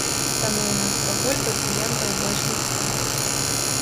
Таму ў нас пакуль пацыентаў больш не стала.